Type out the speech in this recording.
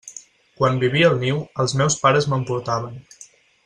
Quan vivia al niu, els meus pares me'n portaven.